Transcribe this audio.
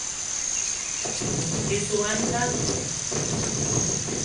Me ye sop a nda